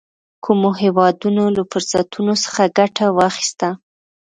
کومو هېوادونو له فرصتونو څخه ګټه واخیسته.